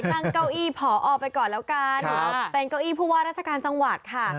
นั่งเก้าอี้ผอไปก่อนแล้วกันเป็นเก้าอี้ผู้ว่าราชการจังหวัดค่ะ